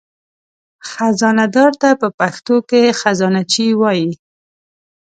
خزانهدار ته په پښتو کې خزانهچي وایي.